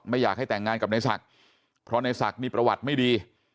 อยากให้แต่งงานกับนายศักดิ์เพราะในศักดิ์มีประวัติไม่ดี